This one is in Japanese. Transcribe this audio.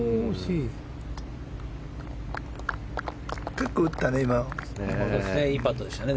結構、打ったね。